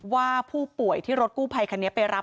ว่าผู้ป่วยที่รถกู้ภัยคันนี้ไปรับ